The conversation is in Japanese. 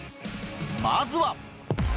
まずは。